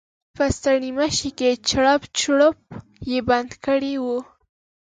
په ستړيمشې کې چړپ چړوپ یې بند کړی و.